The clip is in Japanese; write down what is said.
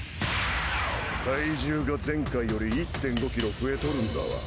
体重が前回より１．５ｋｇ増えとるんだわ！